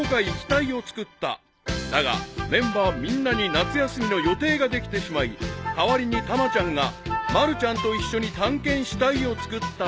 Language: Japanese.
［だがメンバーみんなに夏休みの予定ができてしまい代わりにたまちゃんが「まるちゃんと一緒に探検し隊」を作ったのである］